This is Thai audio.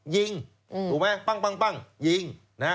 ๓ยิงตรูมั้ยปั้งยิง